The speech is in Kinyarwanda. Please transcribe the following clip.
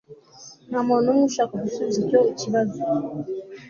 Nta muntu numwe ushaka gusubiza icyo kibazo